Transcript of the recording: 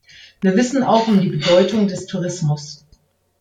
Wir wissen auch um die Bedeutung des Tourismus.